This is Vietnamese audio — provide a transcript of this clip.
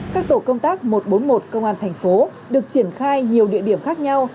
các tổ công tác một trăm bốn mươi một công an thành phố được triển khai nhiều địa điểm khác nhau